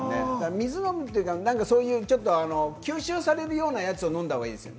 水飲むというか、ちょっと吸収されるようなやつを飲んだ方がいいですよ。